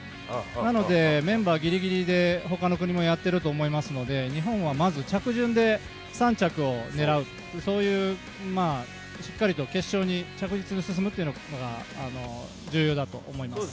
なので、メンバーぎりぎりで他の国もやっていると思いますので、日本はまず着順で３着を狙うしっかりと決勝に着実に進むということが重要だと思います。